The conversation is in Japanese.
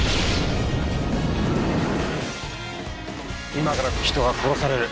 今から人が殺される。